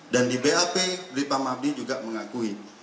dan di bap pripka mahdi juga mengakui